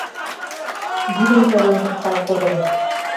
Йӱдым толын кышкал коден!